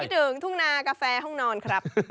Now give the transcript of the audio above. ถึงทุ่งนากาแฟห้องนอนครับ